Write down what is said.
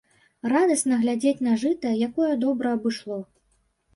Радасна глядзець на жыта, якое добра абышло.